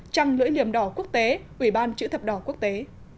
trăng lưỡi liềm đỏ quốc tế ủy ban chữ thập đỏ quốc tế